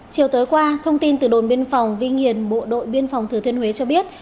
chiều tới qua thông tin từ đồn biên phòng vinh hiền bộ đội biên phòng thứ thuyên huế cho biết